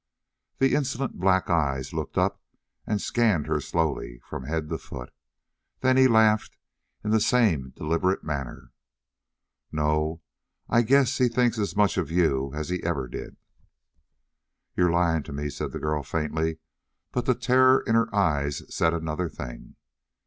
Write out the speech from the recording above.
The insolent black eyes looked up and scanned her slowly from head to foot. Then he laughed in the same deliberate manner. "No, I guess he thinks as much of you now as he ever did." "You are lying to me," said the girl faintly, but the terror in her eyes said another thing.